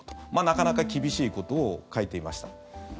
なかなか厳しいことを書いていました。